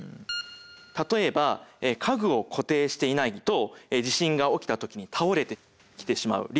例えば家具を固定していないと地震が起きた時に倒れてきてしまうリスクがありますし。